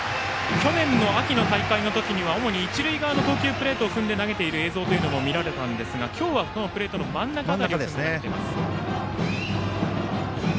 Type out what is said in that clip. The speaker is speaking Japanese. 去年の秋の大会の時には主に一塁側の投球プレートを踏んで投げている映像も見られたんですが今日はプレートの真ん中辺りから投げています。